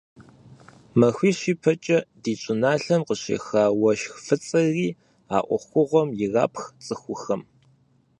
Махуищ ипэ ди щӀыналъэм къыщеха уэшх фӀыцӀэри а Ӏуэхугъуэм ирапх цӀыхухэм.